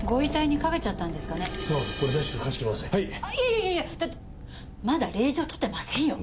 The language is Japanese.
いやいやだってまだ令状取ってませんよ。